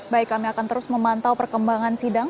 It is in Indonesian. baik kami akan terus memantau perkembangan sidang